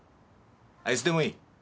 あいつでもいい？